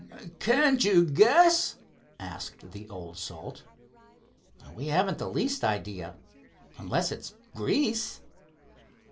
"Can't you guess?" asked the old salt. "We haven't the least idea, unless it's grease."